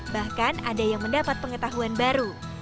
bahkan ada yang mendapat pengetahuan baru